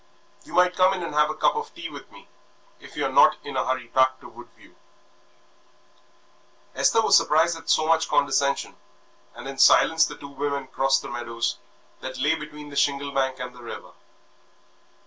You might come in and have a cup of tea with me, if you're not in a hurry back to Woodview." Esther was surprised at so much condescension, and in silence the two women crossed the meadows that lay between the shingle bank and the river.